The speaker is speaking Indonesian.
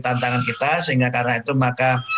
tantangan kita sehingga karena itu maka